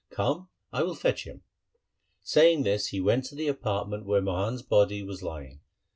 Come, I will fetch him.' Saying this he went to the apartment where Mohan's body was lying.